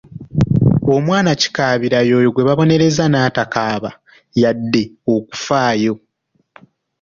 Omwana kikaabira y'oyo gwe babonereza n'atakaaba yadde okufaayo.